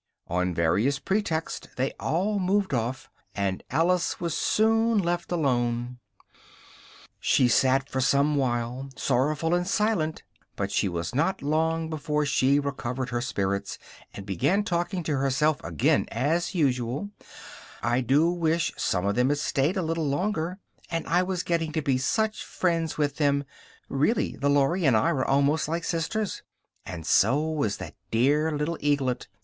On various pretexts, they all moved off, and Alice was soon left alone. She sat for some while sorrowful and silent, but she was not long before she recovered her spirits, and began talking to herself again as usual: "I do wish some of them had stayed a little longer! and I was getting to be such friends with them really the Lory and I were almost like sisters! and so was that dear little Eaglet!